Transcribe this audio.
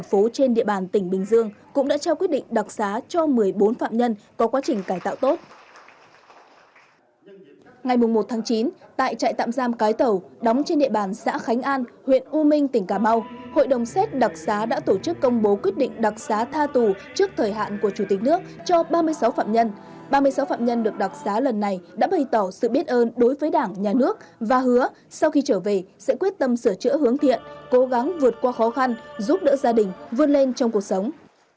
ba mươi sáu phạm nhân được đọc giá lần này đã bày tỏ sự biết ơn đối với đảng nhà nước và hứa sau khi trở về sẽ quyết tâm sửa chữa hướng thiện cố gắng vượt qua khó khăn giúp đỡ gia đình vươn lên trong cuộc sống